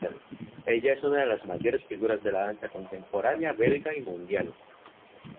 Ella es una de las mayores figuras de la danza contemporánea belga y mundial.